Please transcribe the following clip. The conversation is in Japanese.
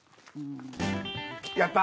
やった！